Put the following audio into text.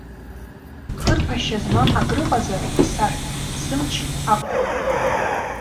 Хырԥашьа змам акрыҟазар исаҳә, сымч ақәхоит.